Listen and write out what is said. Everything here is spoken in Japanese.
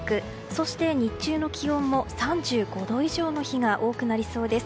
そして、日中の気温も３５度以上の日が多くなりそうです。